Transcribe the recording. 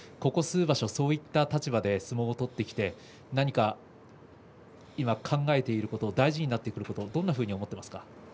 そういった立場で相撲を取っていて今、考えていること大事になっていることはどんなふうに思っていますか？